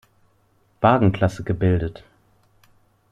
Wagenklasse gebildet.